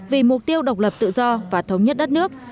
vì mục tiêu độc lập tự do và thống nhất đất nước